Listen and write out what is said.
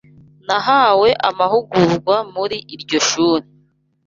Nahawe amahugurwa muri iryo shuri.